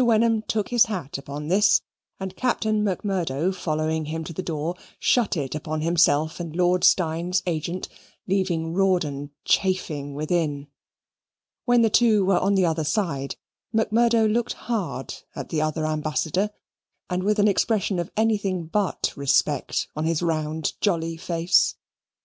Wenham took his hat, upon this, and Captain Macmurdo following him to the door, shut it upon himself and Lord Steyne's agent, leaving Rawdon chafing within. When the two were on the other side, Macmurdo looked hard at the other ambassador and with an expression of anything but respect on his round jolly face.